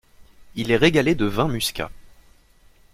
Il les régalait de vin muscat.